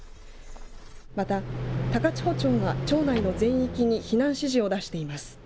また高千穂町が町内の全域に避難指示を出しています。